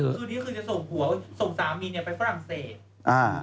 คืนนี้คือจะส่งผัวส่งสามีเนี้ยไปฝรั่งเศสอ่า